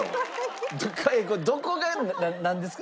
どこがなんですか？